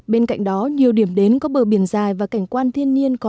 bên cạnh đó nhiều điểm đến có bờ biển dài và cảnh quan thiên nhiên